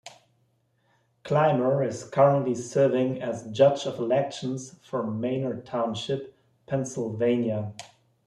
Clymer is currently serving as Judge of Elections for Manor Township, Pennsylvania.